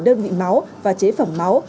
đơn vị máu và chế phẩm máu